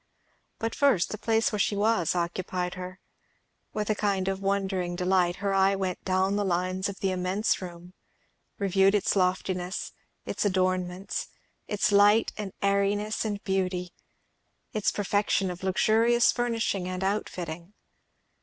But first the place where she was occupied her. With a kind of wondering delight her eye went down the lines of the immense room, reviewed its loftiness, its adornments, its light and airiness and beauty; its perfection of luxurious furnishing and outfitting.